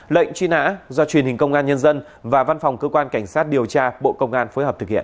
lệnh truy nã do truyền hình công an nhân dân và văn phòng cơ quan cảnh sát điều tra bộ công an phối hợp thực hiện